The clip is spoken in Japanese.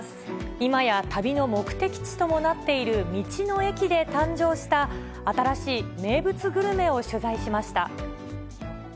今や旅の目的地ともなっている道の駅で誕生した新しい名物グルメを取材しました。